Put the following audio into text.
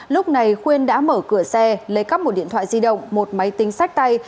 lúc này khuyên đã mở cửa xe lấy cắp một điện thoại di động một máy tính sách tay